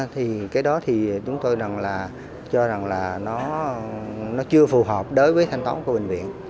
thì cái đó thì chúng tôi rằng là cho rằng là nó chưa phù hợp đối với thanh toán của bệnh viện